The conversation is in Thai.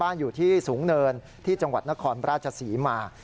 อยู่ที่สูงเนินที่จังหวัดนครราชศรีมา